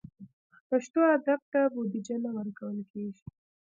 پښتو ادب ته بودیجه نه ورکول کېږي.